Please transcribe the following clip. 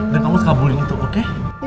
dan kamu sekabulin itu oke